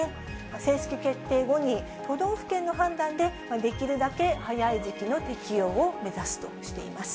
正式決定後に、都道府県の判断で、できるだけ早い時期の適用を目指すとしています。